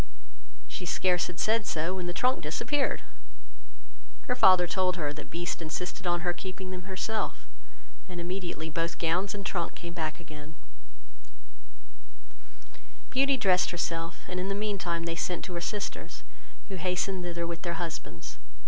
She scarce had said so, when the trunk disappeared. Her father told her, that Beast insisted on her keeping them herself; and immediately both gowns and trunk came back again. [Illustration: Beauty at Supper with the Beast] Beauty dressed herself; and in the mean time they sent to her sisters, who hasted thither with their husbands.